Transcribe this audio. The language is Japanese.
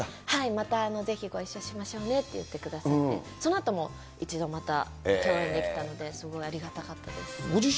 はい、またぜひ、ご一緒しましょうねって言ってくださって、そのあとも一度また共演できたので、すごい、ありがたかったです。